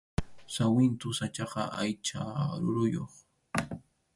Sawintu sachʼaqa aycha ruruyuq